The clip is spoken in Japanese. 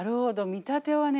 「見立て」はね